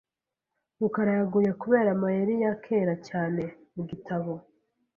rukara yaguye kubera amayeri ya kera cyane. mu gitabo .